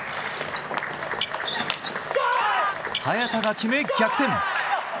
早田が決め、逆転。